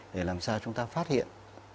để làm sao chúng ta phát hiện